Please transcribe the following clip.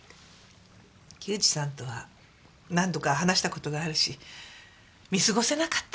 木内さんとは何度か話した事があるし見過ごせなかった。